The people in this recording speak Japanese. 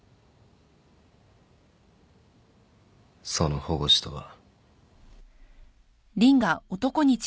その保護司とは。